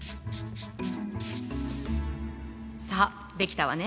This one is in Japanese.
さあできたわね。